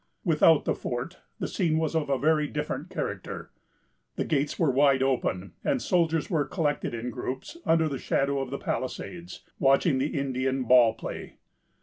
Without the fort the scene was of a very different character. The gates were wide open, and soldiers were collected in groups under the shadow of the palisades, watching the Indian ball play.